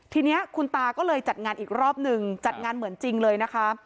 ทีนี้คุณตาก็เลยจัดงานอีกรอบหนึ่งจัดงานเหมือนจริงเลยนะคะ